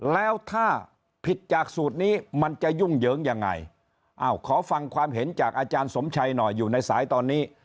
แล้วถ้าผิดจากสูตรนี้มันจะยุ่งเหยิงยังไงอ้าวขอฟังความเห็นจากอาจารย์สมชัยหน่อยอยู่ในสายตอนนี้